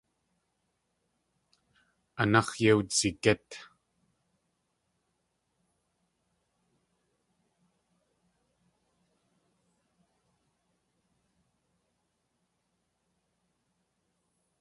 Anax̲ yei wdzigít.